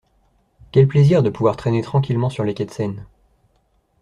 Quel plaisir de pouvoir traîner tranquillement sur les quais de Seine!